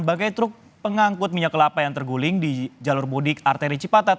bagai truk pengangkut minyak kelapa yang terguling di jalur mudik arteri cipatat